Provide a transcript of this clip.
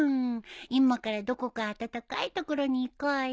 今からどこか暖かい所に行こうよ。